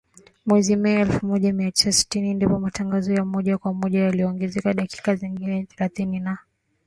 Mwezi Mei, elfu moja mia tisa sitini, ndipo matangazo ya moja kwa moja yaliongezewa dakika nyingine thelathini na kuwa matangazo ya saa moja na vipindi mbalimbali